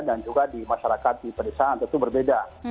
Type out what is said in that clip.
dan juga di masyarakat di pedesaan tentu berbeda